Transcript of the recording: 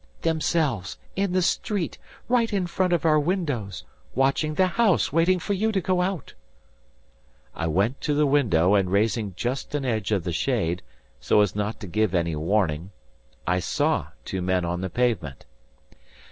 "Themselves! In the street! Right in front of our windows! Watching the house, waiting for you to go out." I went to the window and raising just an edge of the shade, so as not to give any warning, I saw two men on the pavement.